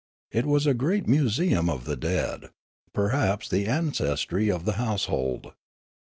It was a great museum of the dead, perhaps the ancestry of the household.